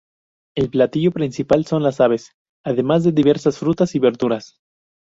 El platillo principal son las aves, además de diversas frutas y verduras.